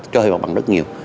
cho thuê mặt bằng rất nhiều